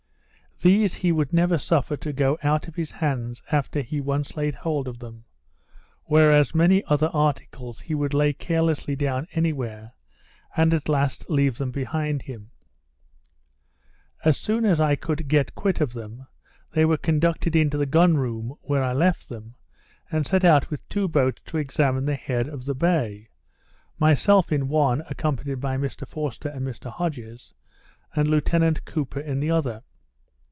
These he never would suffer to go out of his hands after he once laid hold of them; whereas many other articles he would lay carelessly down any where, and at last leave them behind him. As soon as I could get quit of them, they were conducted into the gun room, where I left them, and set out with two boats to examine the head of the bay; myself in one, accompanied by Mr Forster and Mr Hodges, and Lieutenant Cooper in the other.